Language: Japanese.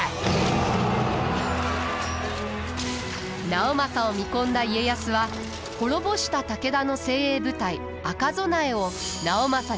直政を見込んだ家康は滅ぼした武田の精鋭部隊赤備えを直政に預けました。